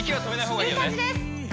いい感じです